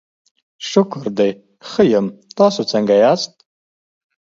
شکر دی، ښه یم، تاسو څنګه یاست؟